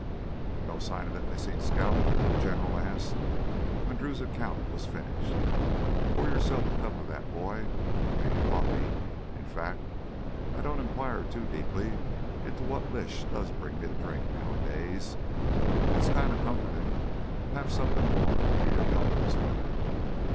"No sign of that missin' scout?" the General asked when Drew's account was finished. "Pour yourself a cup of that, boy! It ain't coffee. In fact, I don't inquire too deeply into what Lish does bring me to drink nowadays. But it's kind of comfortin' to have something warm under your belt in this weather.